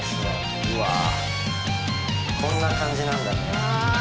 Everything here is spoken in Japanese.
うわこんな感じなんだね。